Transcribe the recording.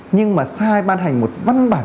nhưng mà sai ban hành một văn bản